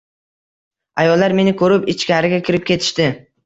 Ayollar meni ko‘rib, ichkariga kirib ketishdi.